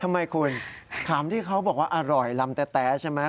ทำไมคุณขำที่เขาบอกว่าอร่อยลำแต๊ใช่ไหม